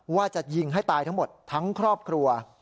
ว่าจะยิงให้ตายทั้งหมดทั้งครอบครัว